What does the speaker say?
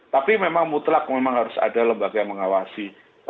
tapi memang mutlak memang harus ada lembaga yang mengawasi